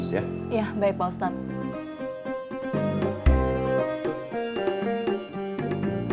ya baik pak ustadz